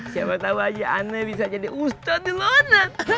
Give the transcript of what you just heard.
siapa tahu aja ana bisa jadi ustadz di london